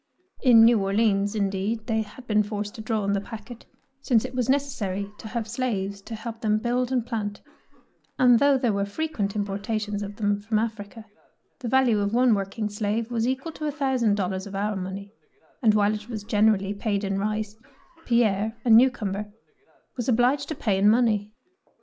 In New Orleans, indeed, they had been forced to draw on the packet, 167 DEEDS OE DAEING since it was necessary to have slaves to help them build and plant, and though there were frequent importations of them from Africa, the value of one working slave was equal to a thou sand dollars of our money, and while it was generally paid in rice, Pierre, a new comer, was obliged to pay in money.